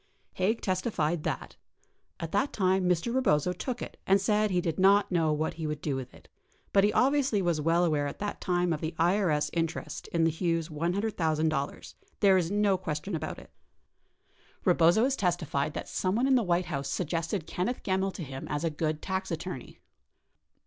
Haig testified that "[a]t that time Mr. Rebozo took it and said he did not know what he would do with it, but he obviously was well aware at that time of the IRS interest in the Hughes $100,000, there is no question about it." 55 Rebozo has testified that someone in the White House suggested Ken neth Gemmill to him as a good tax attorney.